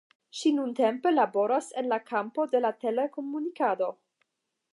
Ŝi nuntempe laboras en la kampo de la telekomunikado.